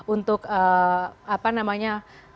untuk apa namanya